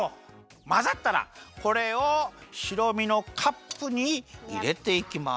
まざったらこれをしろみのカップにいれていきます。